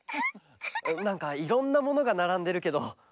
なんかいろんなものがならんでるけど。